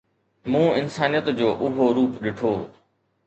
مون انسانيت جو اهو روپ ڏٺو